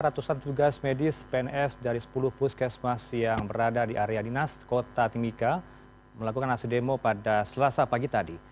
ratusan tugas medis pns dari sepuluh puskesmas yang berada di area dinas kota timika melakukan aksi demo pada selasa pagi tadi